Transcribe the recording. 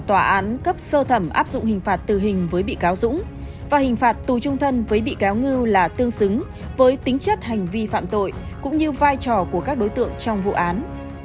tòa án cấp sơ thẩm áp dụng hình phạt tử hình với bị cáo dũng và hình phạt tù trung thân với bị cáo ngư là tương xứng với tính chất hành vi phạm tội cũng như vai trò của các đối tượng trong vụ án